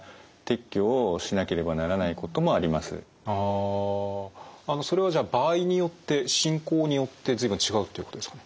あのそれはじゃあ場合によって進行によって随分違うということですか？